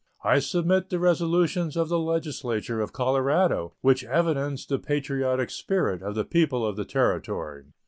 I submit the resolutions of the legislature of Colorado, which evidence the patriotic spirit of the people of the Territory.